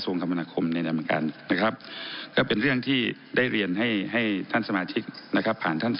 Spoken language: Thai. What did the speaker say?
นะครับ